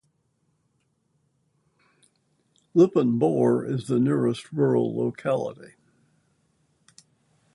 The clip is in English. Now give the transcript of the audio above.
Lipin Bor is the nearest rural locality.